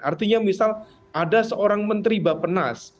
artinya misal ada seorang menteri mbak penas